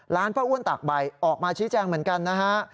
ป้าอ้วนตากใบออกมาชี้แจงเหมือนกันนะฮะ